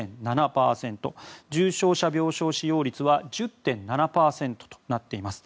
重症者用病床使用率は１０．７％となっています。